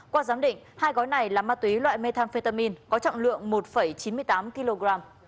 qua giám định hai gói này là ma túy loại methamphetamin có trọng lượng một chín mươi tám kg